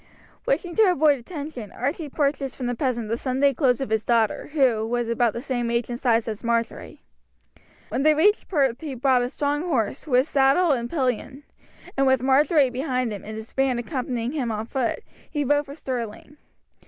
Wishing to avoid attention, Archie purchased from the peasant the Sunday clothes of his daughter, who was about the same age and size as Marjory. When they reached Perth he bought a strong horse, with saddle and pillion; and with Marjory behind him, and his band accompanying him on foot, he rode for Stirling.